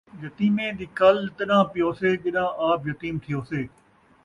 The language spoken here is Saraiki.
یتیمیں دی کل تݙاں پیوسے ، جݙاں آپ یتیم تھیوسے